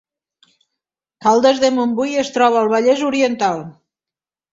Caldes de Montbui es troba al Vallès Oriental